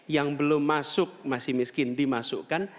yang belum masuk masih miskin dimasukkan